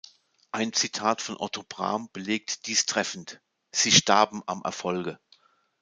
Ein Zitat von Otto Brahm belegt dies treffend: „Sie starben am Erfolge“.